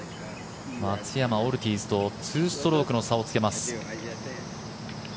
松山、オルティーズと２ストロークの差をつけます。